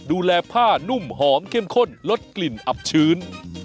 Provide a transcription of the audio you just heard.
ดูแลผ้านุ่มหอมเข้มข้นลดกลิ่นอับชื้น